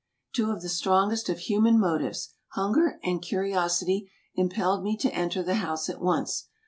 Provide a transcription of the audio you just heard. Two of the strongest of human motives, hunger and curi osity, impelled me to enter the house at once.